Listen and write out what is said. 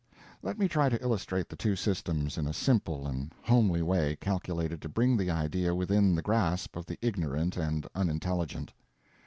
Let me try to illustrate the two systems in a simple and homely way calculated to bring the idea within the grasp of the ignorant and unintelligent.